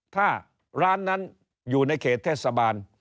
ถ้าร้านนั้นอยู่ในเขตเทศบาล